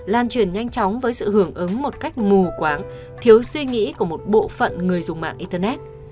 lan truyền nhanh chóng với sự hưởng ứng một cách mù quáng thiếu suy nghĩ của một bộ phận người dùng mạng internet